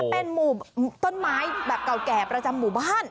เป็นหมู่ต้นไม้แบบเก่าแก่ประจำหมู่บ้าน